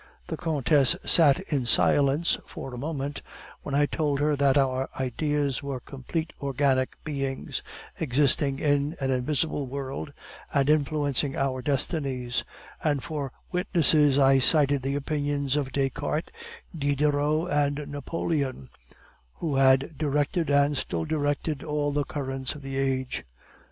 The countess sat in silence for a moment when I told her that our ideas were complete organic beings, existing in an invisible world, and influencing our destinies; and for witnesses I cited the opinions of Descartes, Diderot, and Napoleon, who had directed, and still directed, all the currents of the age.